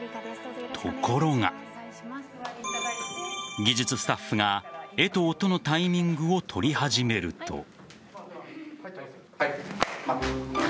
ところが技術スタッフが絵と音のタイミングを取り始めると。